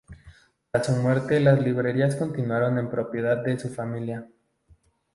Tras su muerte las librerías continuaron en propiedad de su familia.